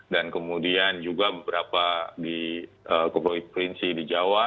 dan kemudian juga beberapa di kepulauan prinsip di jawa